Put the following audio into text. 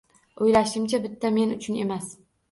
O`ylashimcha, bitta men uchun emas